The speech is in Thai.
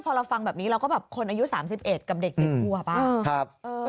พอเราฟังแบบนี้เราก็แบบคนอายุ๓๑กับเด็กเด็กขวบอ่ะ